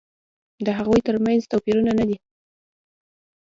د هغوی تر منځ توپیرونه نه دي.